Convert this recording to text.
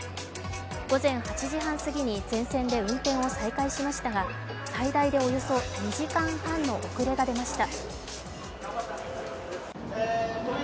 午前８時半過ぎに全線で運転を再開しましたが最大でおよそ２時間半の遅れが出ました。